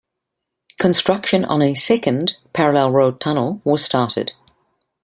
Construction on a second, parallel road tunnel was started.